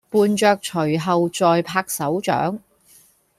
伴著隨後在拍手掌